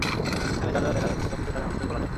এখানে যা যা দেখা যাচ্ছে সবকিছু দারুণ আবিষ্কার বলা যায়!